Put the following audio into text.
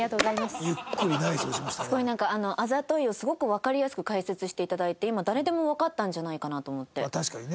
すごいなんか「あざとい」をすごくわかりやすく解説していただいて今誰でもわかったんじゃないかなと思って。